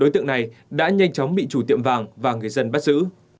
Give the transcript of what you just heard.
đối tượng này đã nhanh chóng bị chủ tiệm vàng và người dân bắt giữ